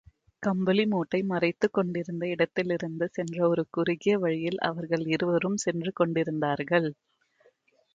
கம்பளி மூட்டை மறைத்துக் கொண்டிருந்த இடத்திலிருந்து சென்ற ஒரு குறுகிய வழியில் அவர்கள் இருவரும் சென்று கொண்டிருந்தார்கள்.